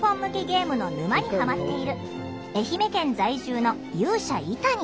ゲームの沼にハマっている愛媛県在住の勇者イタニ。